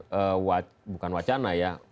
termasuk juga dengan wacana